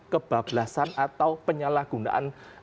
kebablasan atau penyalahgunaan